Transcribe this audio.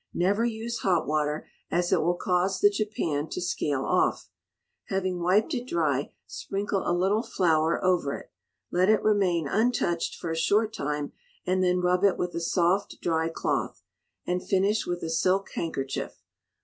Never use hot water, as it will cause the japan to scale off. Having wiped it dry, sprinkle a little flour over it; let it remain untouched for a short time, and then rub it with a soft dry cloth, and finish with a silk handkerchief.